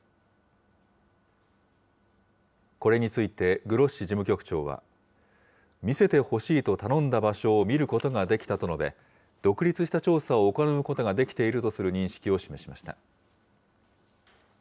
これについて、グロッシ事務局長は、見せてほしいと頼んだ場所を見ることができたと述べ、独立した調査を行うことができているとする認識を示しました。